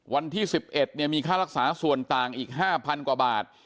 วันที่๑๑มีค่ารักษาส่วนต่างอีก๕๐๐กว่าบาท